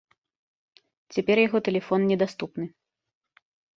Цяпер яго тэлефон недаступны.